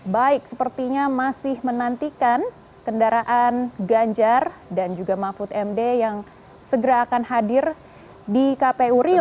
baik sepertinya masih menantikan kendaraan ganjar dan juga mahfud md yang segera akan hadir di kpu rio